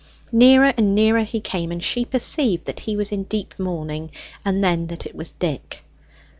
Nearer and nearer he came, and she perceived that he was in deep mourning, and then that it was Dick.